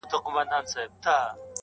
جوړ له انګورو څه پیاله ستایمه-